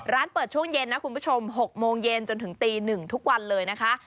เปิดช่วงเย็นนะคุณผู้ชม๖โมงเย็นจนถึงตี๑ทุกวันเลยนะคะ